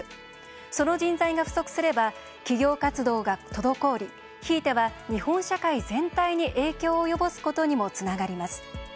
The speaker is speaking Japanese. その人材が不足すれば企業活動が滞りひいては、日本社会全体に影響を及ぼすことにもつながります。